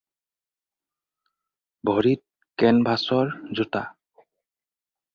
ভৰিত কেনভাচৰ জোতা।